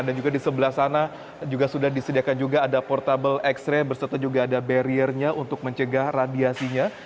dan juga di sebelah sana juga sudah disediakan juga ada portable x ray berserta juga ada barriernya untuk mencegah radiasinya